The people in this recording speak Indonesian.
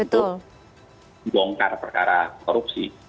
untuk bongkar perkara korupsi